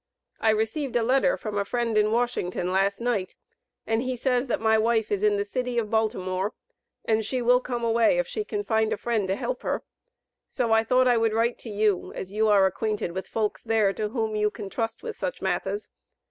I recived a letter from a frend in Washington last night and he says that my wife is in the city of Baltimore, and she will come away if she can find a frend to healp hir, so I thought I would writ to you as you are acquanted with foulks theare to howm you can trust with such matthas.